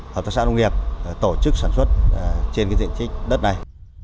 hợp tác xã nông nghiệp tổ chức sản xuất trên diện tích đất này